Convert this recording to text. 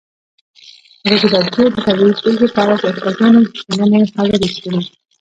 ازادي راډیو د طبیعي پېښې په اړه د استادانو شننې خپرې کړي.